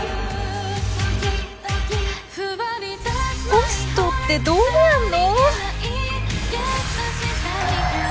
ホストってどうやんの？